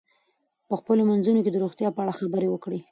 په خپلو منځونو کې د روغتیا په اړه خبرې وکړئ.